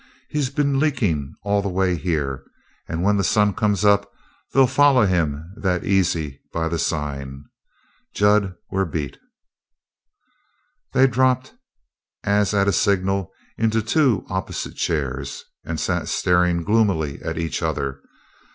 He's been leakin' all the way here, and when the sun comes up they'll foller him that easy by the sign. Jud, we're beat!" They dropped, as at a signal, into two opposite chairs, and sat staring gloomily at each other.